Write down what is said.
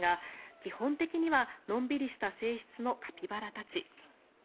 基本的にはのんびりした性質のカピバラたち。